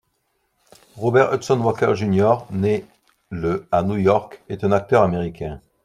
Robert Hudson Walker Jr., né le à New York, est un acteur américain.